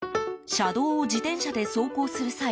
車道を自転車で走行する際